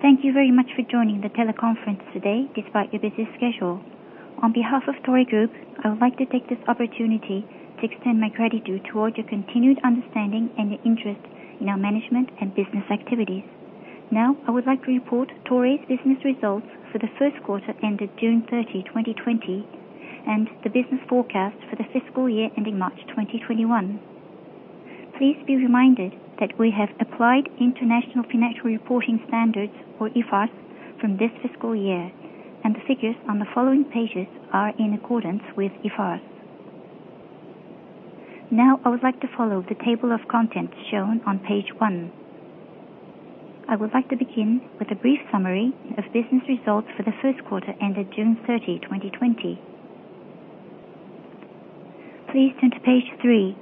Thank you very much for joining the teleconference today despite your busy schedule. On behalf of TORAY Group, I would like to take this opportunity to extend my gratitude toward your continued understanding and your interest in our management and business activities. Now, I would like to report TORAY's business results for the first quarter ended June 30, 2020, and the business forecast for the fiscal year ending March 2021. Please be reminded that we have applied international financial reporting standards, or IFRS, from this fiscal year, and the figures on the following pages are in accordance with IFRS. Now, I would like to follow the table of contents shown on page one. Now, I would like to begin with a brief summary of business results for the first quarter ended June 30, 2020. Please turn to page three.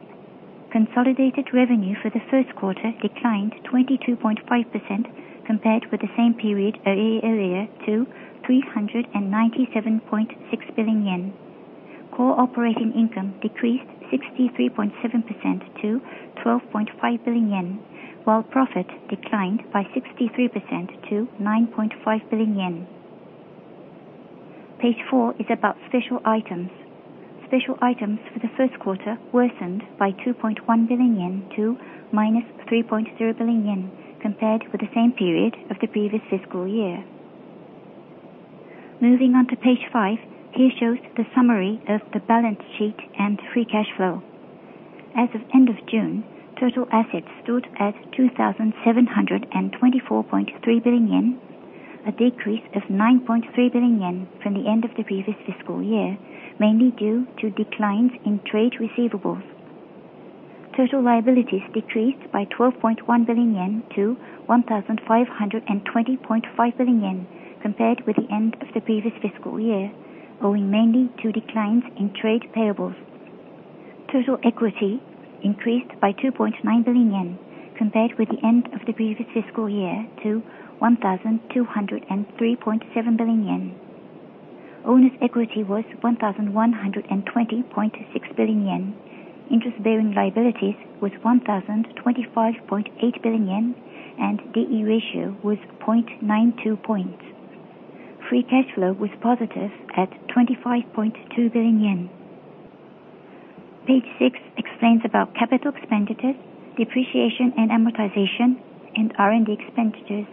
Consolidated revenue for the first quarter declined 22.5% compared with the same period a year earlier to 397.6 billion yen. Core operating income decreased 63.7% to 12.5 billion yen, while profit declined by 63% to 9.5 billion yen. Page four is about special items. Special items for the first quarter worsened by 2.1 billion yen to -3.2 billion yen compared with the same period of the previous fiscal year. Moving on to page five. Here shows the summary of the balance sheet and free cash flow. As of end of June, total assets stood at 2,724.3 billion yen, a decrease of 9.3 billion yen from the end of the previous fiscal year, mainly due to declines in trade receivables. Total liabilities decreased by 12.1 billion yen to 1,520.5 billion yen compared with the end of the previous fiscal year, owing mainly to declines in trade payables. Total equity increased by 2.9 billion yen compared with the end of the previous fiscal year to 1,203.7 billion yen. Owner's equity was 1,120.6 billion yen. Interest-bearing liabilities was 1,025.8 billion yen, and D/E ratio was 0.92 points. Free cash flow was positive at 25.2 billion yen. Page six explains about capital expenditures, depreciation and amortization, and R&D expenditures.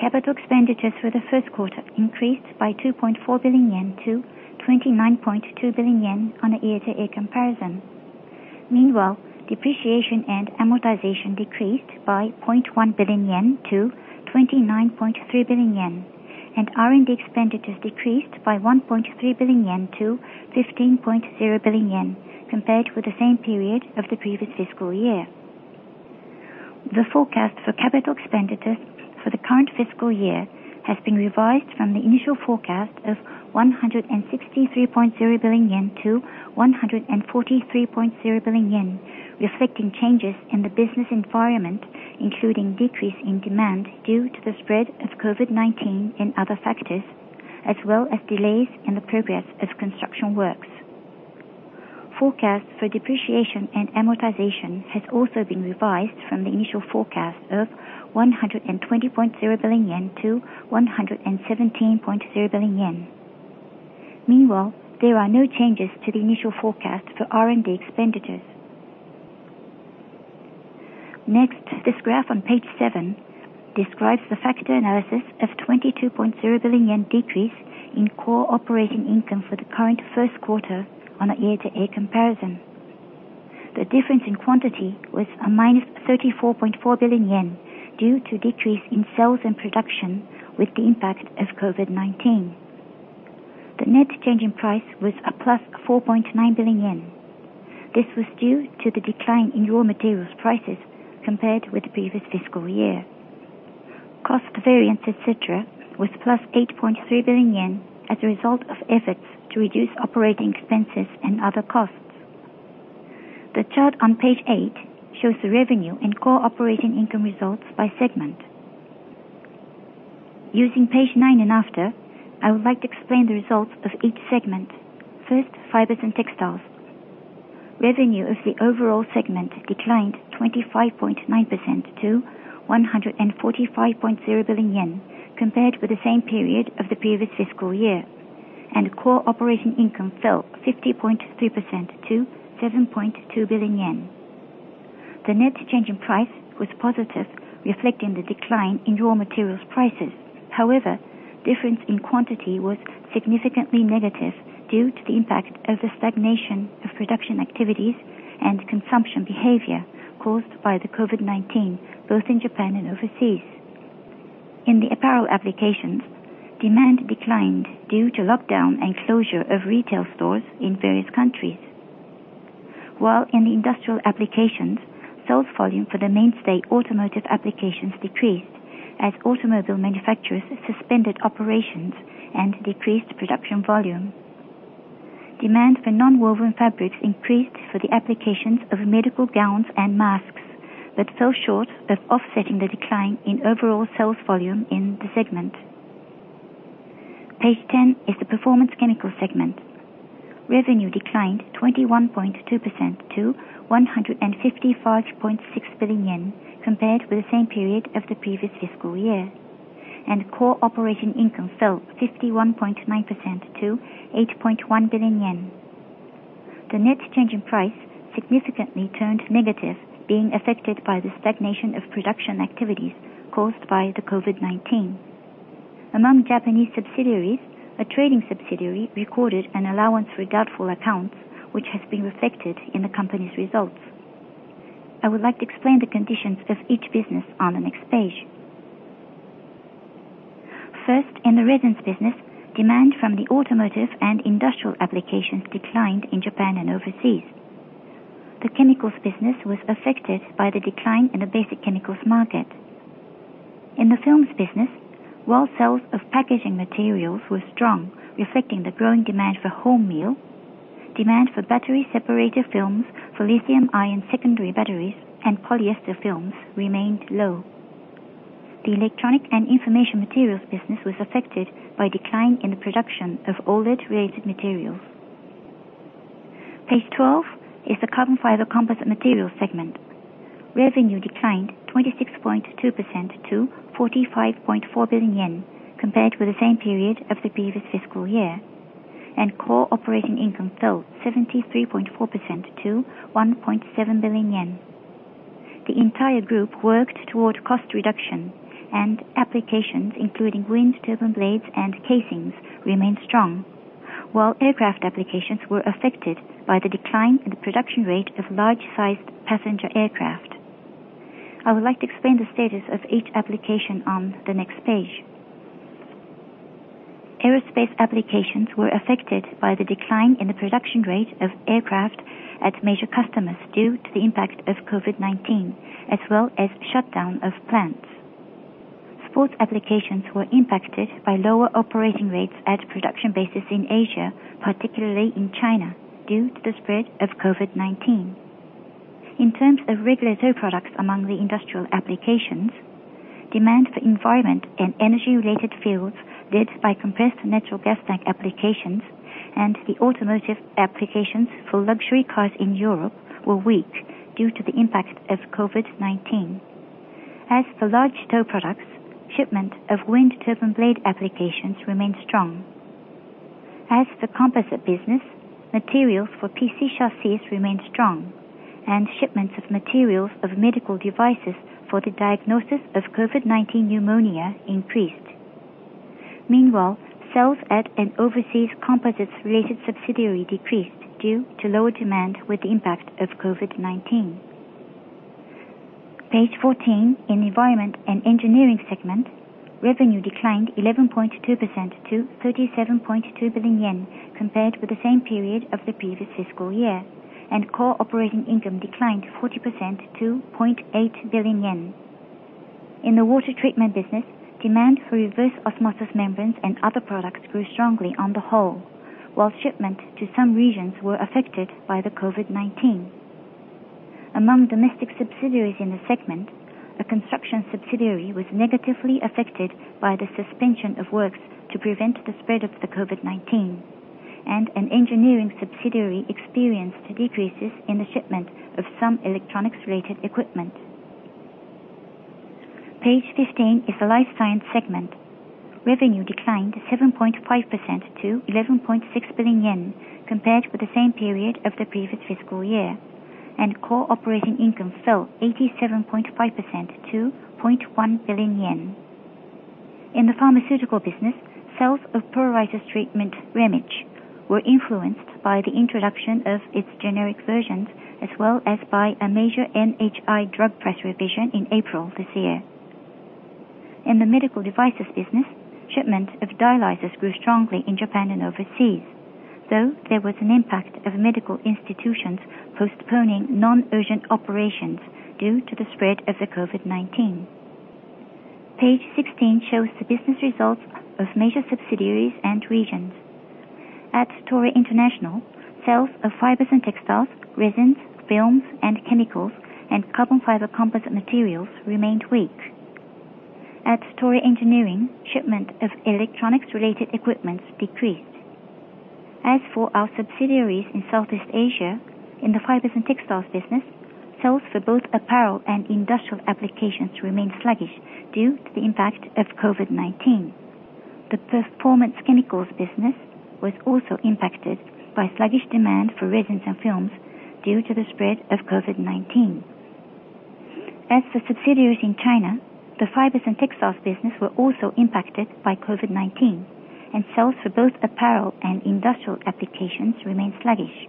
Capital expenditures for the first quarter increased by 2.4 billion yen to 29.2 billion yen on a year-to-year comparison. Meanwhile, depreciation and amortization decreased by 0.1 billion yen to 29.3 billion yen, and R&D expenditures decreased by 1.3 billion yen to 15.0 billion yen compared with the same period of the previous fiscal year. The forecast for capital expenditures for the current fiscal year has been revised from the initial forecast of 163.0 billion yen to 143.0 billion yen, reflecting changes in the business environment, including decrease in demand due to the spread of COVID-19 and other factors, as well as delays in the progress of construction works. Forecast for depreciation and amortization has also been revised from the initial forecast of 120.0 billion yen to 117.0 billion yen. Meanwhile, there are no changes to the initial forecast for R&D expenditures. This graph on page seven describes the factor analysis of 22.0 billion yen decrease in core operating income for the current first quarter on a year-over-year comparison. The difference in quantity was a -34.4 billion yen due to decrease in sales and production with the impact of COVID-19. The net change in price was a +4.9 billion yen. This was due to the decline in raw materials prices compared with the previous fiscal year. Cost variance, et cetera, was +8.3 billion yen as a result of efforts to reduce operating expenses and other costs. The chart on page eight shows the revenue and core operating income results by segment. Using page nine and after, I would like to explain the results of each segment. First, Fibers & Textiles. Revenue of the overall segment declined 25.9% to 145.0 billion yen compared with the same period of the previous fiscal year, and core operating income fell 50.3% to 7.2 billion yen. The net change in price was positive, reflecting the decline in raw materials prices. However, difference in quantity was significantly negative due to the impact of the stagnation of production activities and consumption behavior caused by the COVID-19, both in Japan and overseas. In the apparel applications, demand declined due to lockdown and closure of retail stores in various countries. While in the industrial applications, sales volume for the mainstay automotive applications decreased as automobile manufacturers suspended operations and decreased production volume. Demand for nonwoven fabrics increased for the applications of medical gowns and masks that fell short of offsetting the decline in overall sales volume in the segment. Page 10 is the Performance Chemicals segment. Revenue declined 21.2% to 155.6 billion yen compared with the same period of the previous fiscal year, and core operating income fell 51.9% to 8.1 billion yen. The net change in price significantly turned negative, being affected by the stagnation of production activities caused by the COVID-19. Among Japanese subsidiaries, a trading subsidiary recorded an allowance for doubtful accounts, which has been reflected in the company's results. I would like to explain the conditions of each business on the next page. First, in the resins business, demand from the automotive and industrial applications declined in Japan and overseas. The chemicals business was affected by the decline in the basic chemicals market. In the films business, while sales of packaging materials were strong, reflecting the growing demand for home meal, demand for battery separator films for lithium-ion secondary batteries and polyester films remained low. The electronic and information materials business was affected by decline in the production of OLED-related materials. Page 12 is the Carbon Fiber Composite Materials segment. Revenue declined 26.2% to 45.4 billion yen compared with the same period of the previous fiscal year, and core operating income fell 73.4% to 1.7 billion yen. The entire group worked toward cost reduction and applications, including wind turbine blades and casings, remained strong, while aircraft applications were affected by the decline in the production rate of large-sized passenger aircraft. I would like to explain the status of each application on the next page. Aerospace applications were affected by the decline in the production rate of aircraft at major customers due to the impact of COVID-19, as well as shutdown of plants. Sports applications were impacted by lower operating rates at production bases in Asia, particularly in China, due to the spread of COVID-19. In terms of regular tow products among the industrial applications, demand for environment and energy-related fields led by compressed natural gas tank applications and the automotive applications for luxury cars in Europe were weak due to the impact of COVID-19. As for large tow products, shipment of wind turbine blade applications remained strong. As for composite business, materials for PC chassis remained strong, and shipments of materials of medical devices for the diagnosis of COVID-19 pneumonia increased. Sales at an overseas composites-related subsidiary decreased due to lower demand with the impact of COVID-19. Page 14 in Environment & Engineering segment, revenue declined 11.2% to 37.2 billion yen compared with the same period of the previous fiscal year, and core operating income declined 40% to 0.8 billion yen. In the water treatment business, demand for reverse osmosis membranes and other products grew strongly on the whole, while shipment to some regions were affected by the COVID-19. Among domestic subsidiaries in the segment, a construction subsidiary was negatively affected by the suspension of works to prevent the spread of the COVID-19, and an engineering subsidiary experienced decreases in the shipment of some electronics-related equipment. Page 15 is the Life Science segment. Revenue declined 7.5% to 11.6 billion yen compared with the same period of the previous fiscal year, and core operating income fell 87.5% to 0.1 billion yen. In the pharmaceutical business, sales of pruritus treatment REMITCH were influenced by the introduction of its generic versions as well as by a major NHI drug price revision in April this year. In the medical devices business, shipments of dialyzers grew strongly in Japan and overseas, though there was an impact of medical institutions postponing non-urgent operations due to the spread of the COVID-19. Page 16 shows the business results of major subsidiaries and regions. At TORAY International, sales of Fibers & Textiles, resins, films and chemicals, and Carbon Fiber Composite Materials remained weak. At TORAY Engineering, shipment of electronics-related equipments decreased. As for our subsidiaries in Southeast Asia, in the Fibers & Textiles business, sales for both apparel and industrial applications remained sluggish due to the impact of COVID-19. The Performance Chemicals business was also impacted by sluggish demand for resins and films due to the spread of COVID-19. As for subsidiaries in China, the Fibers & Textiles business were also impacted by COVID-19, and sales for both apparel and industrial applications remained sluggish.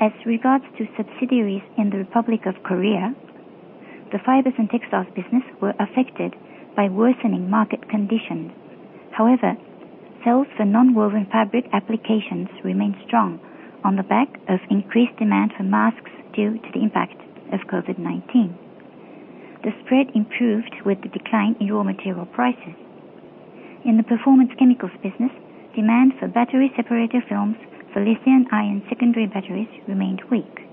As regards to subsidiaries in the Republic of Korea, the Fibers & Textiles business were affected by worsening market conditions. However, sales for nonwoven fabric applications remained strong on the back of increased demand for masks due to the impact of COVID-19. The spread improved with the decline in raw material prices. In the Performance Chemicals business, demand for battery separator films for lithium-ion secondary batteries remained weak.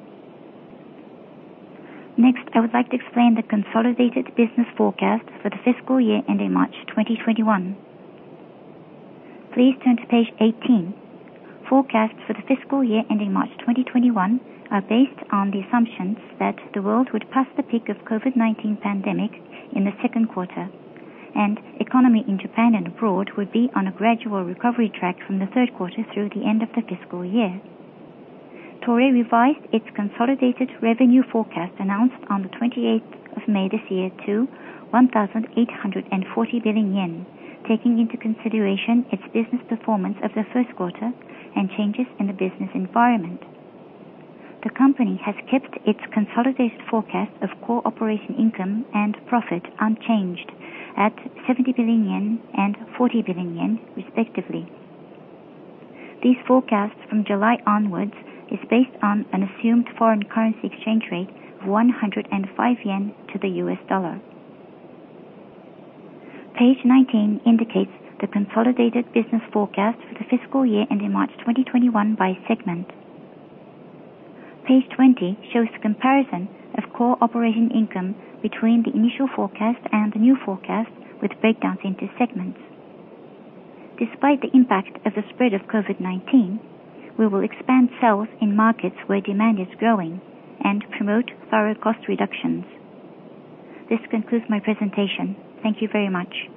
Next, I would like to explain the consolidated business forecast for the fiscal year ending March 2021. Please turn to page 18. Forecasts for the fiscal year ending March 2021 are based on the assumptions that the world would pass the peak of COVID-19 pandemic in the second quarter, and economy in Japan and abroad would be on a gradual recovery track from the third quarter through the end of the fiscal year. TORAY revised its consolidated revenue forecast announced on the 28th of May this year to 1,840 billion yen, taking into consideration its business performance of the first quarter and changes in the business environment. The company has kept its consolidated forecast of core operating income and profit unchanged at 70 billion yen and 40 billion yen respectively. These forecasts from July onwards is based on an assumed foreign currency exchange rate of 105 yen to the US dollar. Page 19 indicates the consolidated business forecast for the fiscal year ending March 2021 by segment. Page 20 shows the comparison of core operating income between the initial forecast and the new forecast, with breakdowns into segments. Despite the impact of the spread of COVID-19, we will expand sales in markets where demand is growing and promote thorough cost reductions. This concludes my presentation. Thank you very much.